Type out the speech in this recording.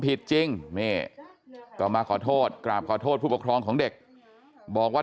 ผิดจริงนี่ก็มาขอโทษกราบขอโทษผู้ปกครองของเด็กบอกว่า